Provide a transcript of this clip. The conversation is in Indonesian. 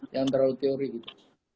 jangan terlalu teori gitu